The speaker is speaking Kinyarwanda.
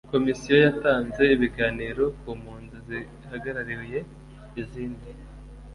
komisiyo yatanze ibiganiro ku mpunzi zihagarariye izindi